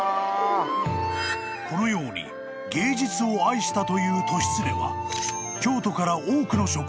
［このように芸術を愛したという利常は］